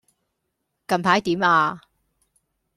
近排點呀